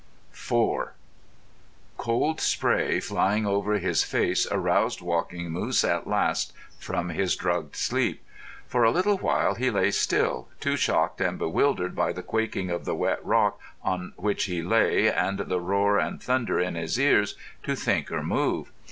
IV Cold spray flying over his face aroused Walking Moose at last from his drugged sleep. For a little while he lay still, too shocked and bewildered by the quaking of the wet rock on which he lay and the roar and thunder in his ears, to think or move.